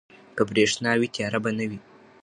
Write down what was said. که برښنا وي، تیاره به نه وي.